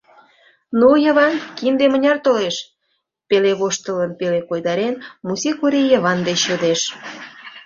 — Ну, Йыван, кинде мыняр толеш? — пеле воштылын, пеле койдарен, Муси Кори Йыван деч йодеш.